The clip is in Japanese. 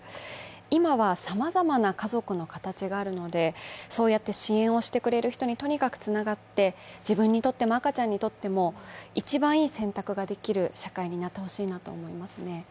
今はさまざまな家族の形があるので、そうやって支援をしてくれる人にとにかくつながって自分にとっても赤ちゃんにとっても一番いい選択ができる社会になってほしいなと思いますね。